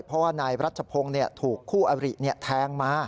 เพราะว่านายรัชพงศ์ถูกคู่อบริแทงมา